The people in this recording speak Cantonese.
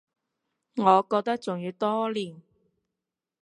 我覺得仲要多練